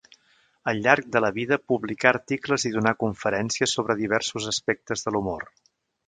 Al llarg de la vida publicà articles i donà conferències sobre diversos aspectes de l'humor.